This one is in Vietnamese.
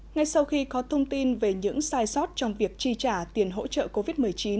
ngay sau khi có thông tin về những sai sót trong việc chi trả tiền hỗ trợ covid một mươi chín